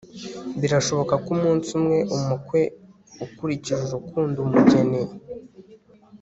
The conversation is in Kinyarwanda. Birashoboka ko umunsi umwe umukwe ukurikije urukundo umugeni